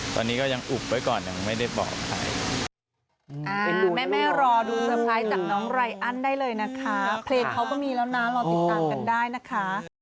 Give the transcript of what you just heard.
ตอนนี้ก็ยังอุบไว้ก่อนยังไม่ได้บอกใคร